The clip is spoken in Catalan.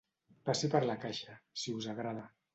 Passi per la caixa, si us agrada.